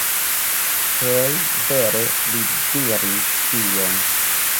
Hej? Vere? Li diris tion?